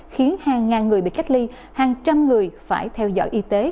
khiến hàng ngàn người bị cách ly hàng trăm người phải theo dõi y tế